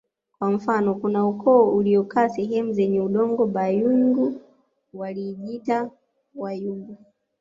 Kwa mfano kuna ukoo uliokaa sehemu zenye udongo Bayungu walijiita Wayungu